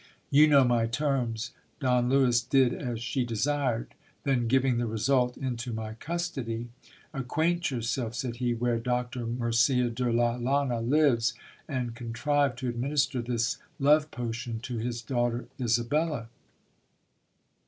You know my terms. Don Lewis did as she desired, then giving the result into my custody — Acquaint yourself, said he, where Doctor Murcia de la Liana lives, and contrive to administer this love potion to his daughter Isabella.